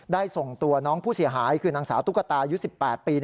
ส่งตัวน้องผู้เสียหายคือนางสาวตุ๊กตายุ๑๘ปี